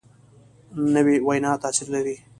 نوې وینا تاثیر لري